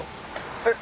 えっ！？